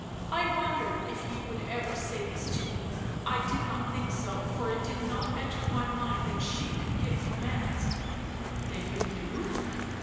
" I wondered if you would ever say this to me — I did not think so, for it did not enter my mind that she could give commands." "Then you knew?"